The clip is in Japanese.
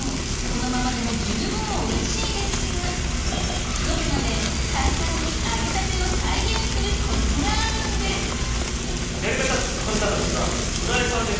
このままでも十分おいしいですがひと手間で簡単に揚げたてを再現するコツがあるんですやり方は簡単なんですよ。何？